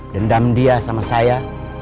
dendam dia sama saya